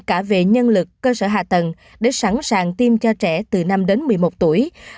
cả về nhân lực cơ sở hạ tầng để sẵn sàng tiêm cho trẻ từ năm đến một mươi một tuổi